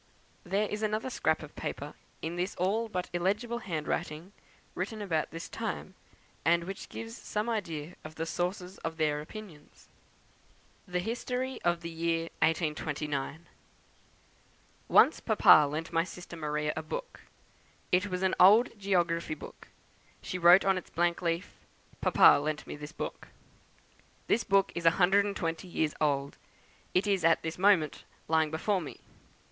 There is another scrap of paper, in this all but illegible handwriting, written about this time, and which gives some idea of the sources of their opinions. THE HISTORY OF THE YEAR 1829. "Once Papa lent my sister Maria a book. It was an old geography book; she wrote on its blank leaf, 'Papa lent me this book.' This book is a hundred and twenty years old; it is at this moment lying before me.